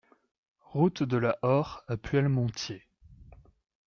Route de la Horre à Puellemontier